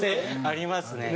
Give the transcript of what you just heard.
ありますね。